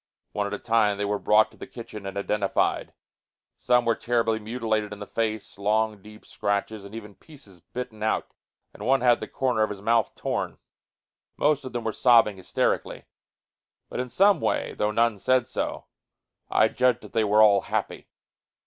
One at a time they were brought to the kitchen, and identified. Some were terribly mutilated in the face, long deep scratches, and even pieces bitten out, and one had the corner of his mouth torn. Most of them were sobbing hysterically, but, in some way, though none said so, I judged that they were all happy.